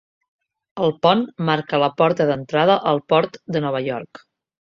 El pont marca la porta d'entrada al port de Nova York.